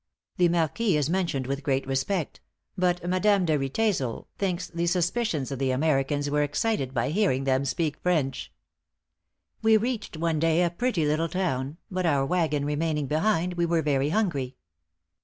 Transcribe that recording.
The Marquis is mentioned with great respect; but Madame de Riedesel thinks the suspicions of the Americans were excited by hearing them speak French. "We reached one day a pretty little town; but our wagon remaining behind, we were very hungry.